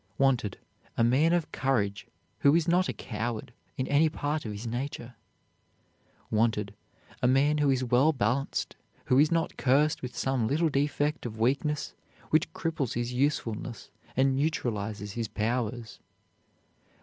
Wanted, a man of courage who is not a coward in any part of his nature. Wanted, a man who is well balanced, who is not cursed with some little defect of weakness which cripples his usefulness and neutralizes his powers.